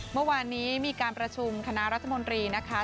เมื่อวานนี้มีการประชุมคณะรัฐมนตรีนะคะ